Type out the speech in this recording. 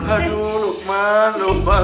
aduh lukman lukman